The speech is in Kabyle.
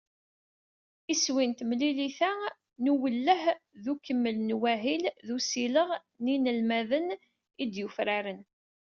Iswi n temlilit-a n uwelleh d akemmel n wahil n usileɣ n yinelmaden i d-yufraren.